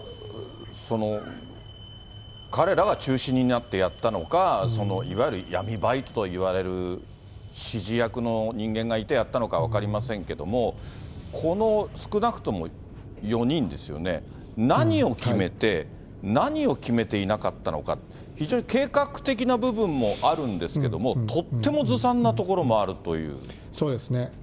彼らが中心になってやったのか、いわゆる闇バイトといわれる指示役の人間がいてやったのか分かりませんけれども、この少なくとも４人ですよね、何を決めて、何を決めていなかったのか、非常に計画的な部分もあるんですけれども、とってもずさんなとこそうですね。